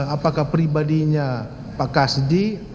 apakah pribadinya pak kasdi